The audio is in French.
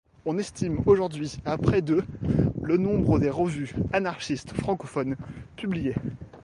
On estime aujourd'hui à près de le nombre des revues anarchistes francophones publiées.